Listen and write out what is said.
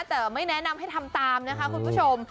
แต่ไม่แนะนำให้ทำตามนะคะคุณผู้ชม